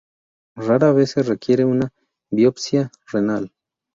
Rara vez se requiere una biopsia renal.